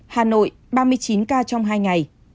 hà nội ba mươi chín ca trong hai ngày